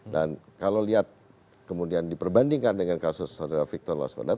dan kalau lihat kemudian diperbandingkan dengan kasus soedara victor laskoda